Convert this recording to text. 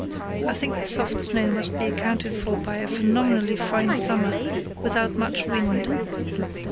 I think the soft snow must be accounted for by a phenomenally fine summer without much wind.